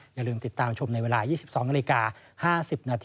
อย่าลืมติดตามชมในเวลา๒๒น๕๐น